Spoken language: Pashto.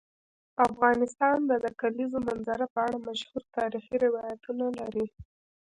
افغانستان د د کلیزو منظره په اړه مشهور تاریخی روایتونه لري.